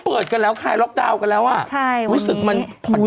เปิดกันแล้วคลายล็อกดาวน์กันแล้วอ่ะใช่รู้สึกมันผ่อนค